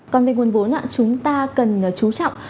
còn về nguồn vốn chúng ta cần chú trọng